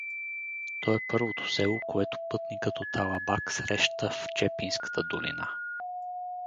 То е първото село, което пътникът от Алабак среща в Чепинската долина.